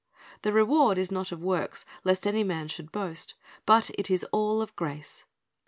"i The reward is not of works, lest any man should boast; but it is all of grace.